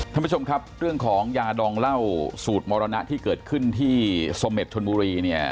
ท่านผู้ชมครับเรื่องของยาดองเหล้าสูตรมรณะที่เกิดขึ้นที่สเม็ดชนบุรีเนี่ย